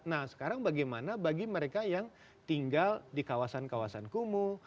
nah sekarang bagaimana bagi mereka yang tinggal di kawasan kawasan kumuh